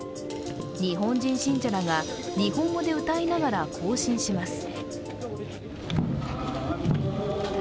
日本人信者らが日本語で歌いながら行進します。